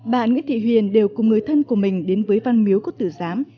bà nguyễn thị huyền đều cùng người thân của mình đến với văn miếu cốc tử giám